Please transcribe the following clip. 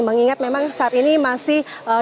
mengingat memang saat ini masih dalam masa reses